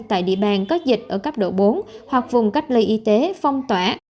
tại địa bàn có dịch ở cấp độ bốn hoặc vùng cách ly y tế phong tỏa